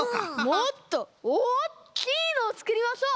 もっとおおきいのをつくりましょう！